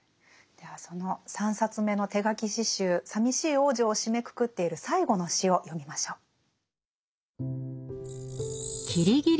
ではその３冊目の手書き詩集「さみしい王女」を締めくくっている最後の詩を読みましょう。